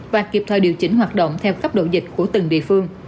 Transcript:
và kịp thời điều chỉnh hoạt động theo cấp độ dịch của từng địa phương